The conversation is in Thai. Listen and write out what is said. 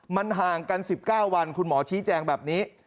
มันห่างกัน๑๙วันคุณหมอชี้แจงแบบนี้